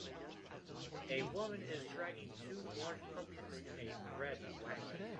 A woman is dragging two large pumpkins in a red wagon.